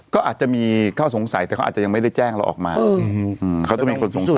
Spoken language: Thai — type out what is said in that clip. ก็อาจจะมีข้าวสงสัยแต่เขาอาจจะยังไม่ได้แจ้งเราออกมาอืม